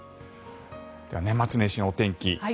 では、年末年始のお天気。